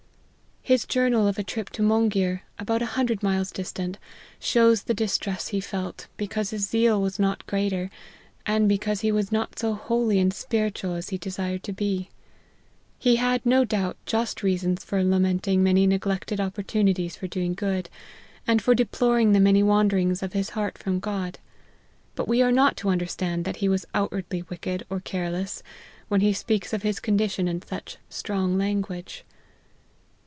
His journal of a trip to Monghir, about a hun dred miles distant, shows the distress he felt, because his zeal was not greater, and because he was not so holy and spiritual as he desired to be. He had, no doubt, just reasons for lamenting many neglected opportunities for doing good, and for de ploring the many wanderings of his heart from God ; but we are not to understand that he was outwardly wicked or careless, when he speaks of his condition in such strong language.